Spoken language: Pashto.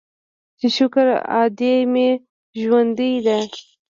چې شکر ادې مې ژوندۍ ده.